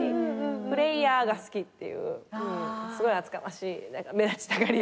プレイヤーが好きっていうすごい厚かましい目立ちたがり屋。